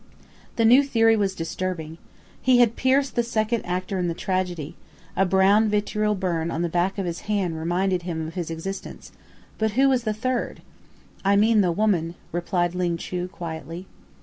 The new theory was disturbing. He had pierced the second actor in the tragedy a brown vitriol burn on the back of his hand reminded him of his existence but who was the third? "I mean the woman," replied Ling Chu quietly.